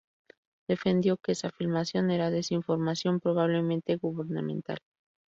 Defendió que esa filmación era desinformación probablemente gubernamental.